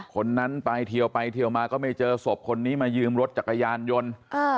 คนนั้นไปเทียวไปเทียวมาก็ไม่เจอศพคนนี้มายืมรถจักรยานยนต์